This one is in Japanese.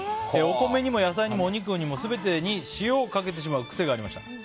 お米にも野菜にもお肉にも全てに塩をかけてしまう癖がありました。